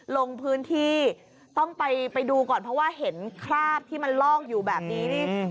ลงพื้นที่ต้องไปดูก่อนเพราะว่าเห็นคราบที่มันลอกอยู่แบบนี้นี่